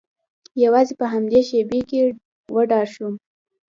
یوازې په همدې شیبې کې وډار شوم